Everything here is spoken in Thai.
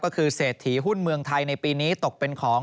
ก็คือเศรษฐีหุ้นเมืองไทยในปีนี้ตกเป็นของ